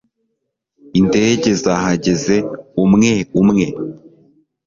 Indege zahageze umwe umwe.